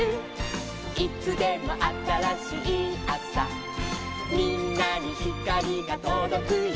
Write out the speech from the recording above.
「いつでもあたらしいあさ」「みんなにひかりがとどくよ」